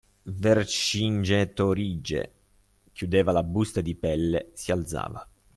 Vercingetorige chiudeva la busta di pelle, si alzava.